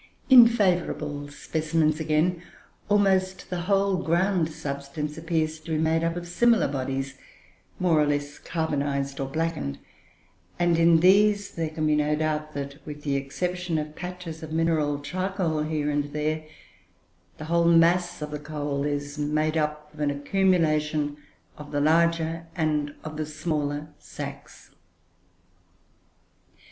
In favourable specimens, again, almost the whole ground substance appears to be made up of similar bodies more or less carbonized or blackened and, in these, there can be no doubt that, with the exception of patches of mineral charcoal, here and there, the whole mass of the coal is made up of an accumulation of the larger and of the smaller sacs.